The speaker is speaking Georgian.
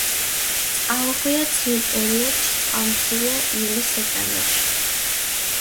წყალუხვია ცივ პერიოდშ, წყალმცირეა ივლის-სექტემბერში.